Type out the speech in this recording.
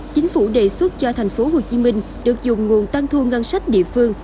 chính phủ đề xuất cho thành phố hồ chí minh được dùng nguồn tăng thu ngân sách địa phương